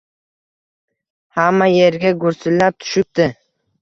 Hamma yerga gursillab tushibdi